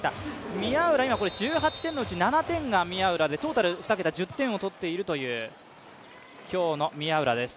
宮浦、１８点のうち７点が宮浦でトータル２桁１０点を取っているという今日の宮浦です。